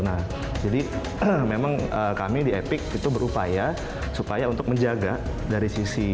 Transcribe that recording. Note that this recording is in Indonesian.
nah jadi memang kami di epic itu berupaya supaya untuk menjaga dari sisi bayarnya untuk bisa mendapatkan hunian yang mereka impikan